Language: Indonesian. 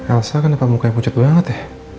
elsa kan dapat muka yang pucat banget ya